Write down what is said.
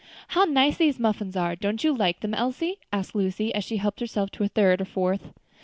"How nice these muffins are! Don't you like them, Elsie?" asked Lucy, as she helped herself to a third or fourth.